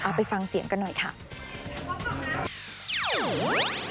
ไปฟังเสียงกันหน่อยค่ะ